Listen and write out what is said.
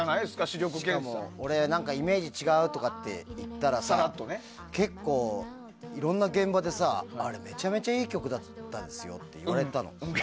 しかも俺イメージ違うとかって言ったら結構、いろんな現場であれ、めちゃめちゃいい曲でしたよって言われたの。